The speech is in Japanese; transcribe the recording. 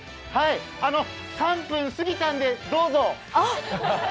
３分過ぎたんで、どうぞ。